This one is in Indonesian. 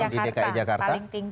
di dki jakarta